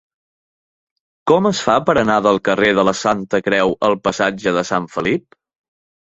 Com es fa per anar del carrer de la Santa Creu al passatge de Sant Felip?